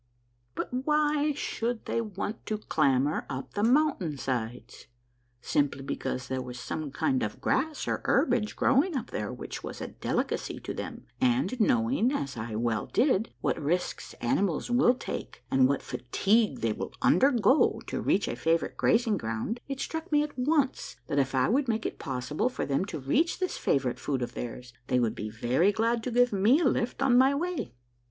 But why should they want to clamber up the mountain sides ? Simply because there was some kind of grass or herbage growing up there which was a delicacy to them, and knowing, as I well did, what risks animals will take and what fatigue they will undergo to reach a favorite grazing ground, it struck me at once that if I would make it possible for them to reach this favorite food of theirs, they would be very glad to give me a lift on my way.